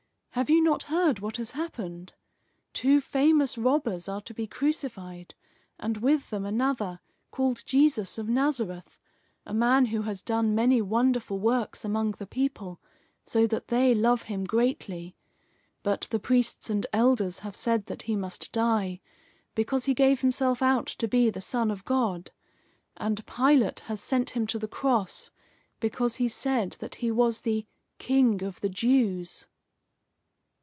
Have you not heard what has happened? Two famous robbers are to be crucified, and with them another, called Jesus of Nazareth, a man who has done many wonderful works among the people, so that they love him greatly. But the priests and elders have said that he must die, because he gave himself out to be the Son of God. And Pilate has sent him to the cross because he said that he was the 'King of the Jews.